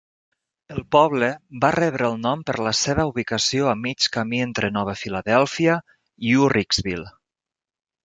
El poble va rebre el nom per la seva ubicació a mig camí entre Nova Filadèlfia i Uhrichsville.